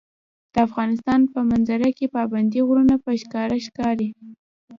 د افغانستان په منظره کې پابندي غرونه په ښکاره ښکاري.